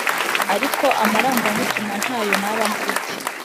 ariko amarangamutima ntayo naba mfite